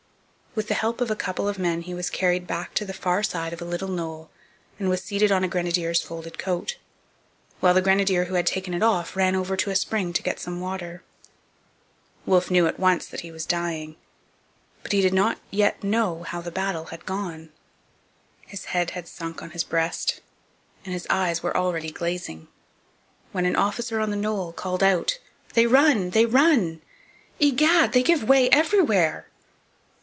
With the help of a couple of men he was carried back to the far side of a little knoll and seated on a grenadier's folded coat, while the grenadier who had taken it off ran over to a spring to get some water. Wolfe knew at once that he was dying. But he did not yet know how the battle had gone. His head had sunk on his breast, and his eyes were already glazing, when an officer on the knoll called out, 'They run! They run! 'Egad, they give way everywhere!'